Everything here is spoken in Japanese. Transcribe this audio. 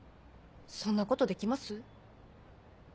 そんなことできます？